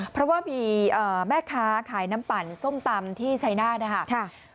เพราะว่ามีแม่ค้าขายน้ำปั่นส้มตำที่ชัยนาธนะครับ